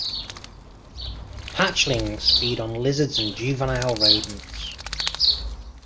Hatchlings feed on lizards and juvenile rodents.